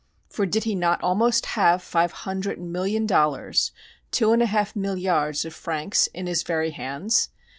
For did he not almost have five hundred million dollars two and a half milliards of francs in his very hands?